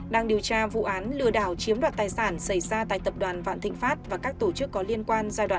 đang điều tra vụ án lừa đảo chiếm đoạt tài sản xảy ra tại tập đoàn vạn thịnh pháp và các tổ chức có liên quan giai đoạn hai